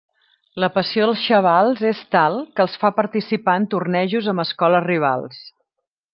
La passió dels xavals és tal que els fa participar en tornejos amb escoles rivals.